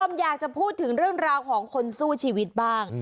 คุณผู้ชมอยากจะพูดถึงเรื่องราวของคนสู้ชีวิตบ้าง